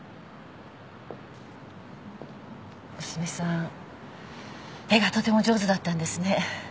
娘さん絵がとても上手だったんですね。